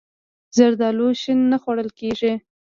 زردالو شین نه خوړل کېږي.